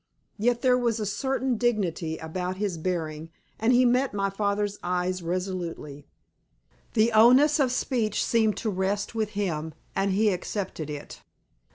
Yet there was a certain dignity about his bearing, and he met my father's eyes resolutely. The onus of speech seemed to rest with him, and he accepted it.